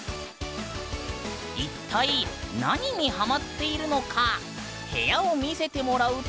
一体何にハマっているのか部屋を見せてもらうと。